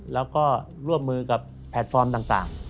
แล้วก็ร่วมมือกับแพลตฟอร์มต่าง